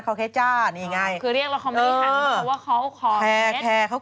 คือเรียกเราคอไม่ได้หักนึกว่าคอคอค็ต